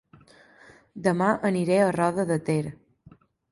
Dema aniré a Roda de Ter